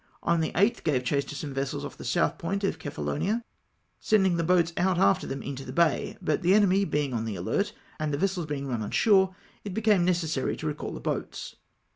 On the 8th gave chase to some vessels ofi* the south point of Cephalonia, sending the boats after them into the bay ; but the enemy being on the alert, and the vessels being run on shore, it became necessary to recall the boats.